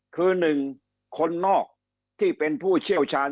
คือหนึ่งคนนอกที่เป็นผู้เชี่ยวชาญ